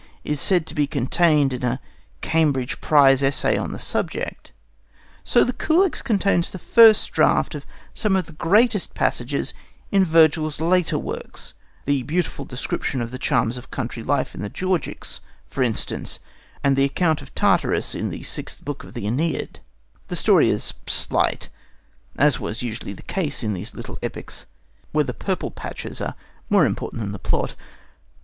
is said to be contained in a Cambridge prize essay on the subject, so the Culex contains the first draft of some of the greatest passages in Virgil's later works the beautiful description of the charms of country life in the Georgics, for instance, and the account of Tartarus in the sixth book of the Æneid. The story is slight, as was usually the case in these little epics, where the purple patches are more important than the plot.